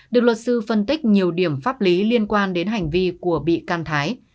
được luật sư phân tích nhiều điểm pháp lý liên quan đến hành vi của bị can thái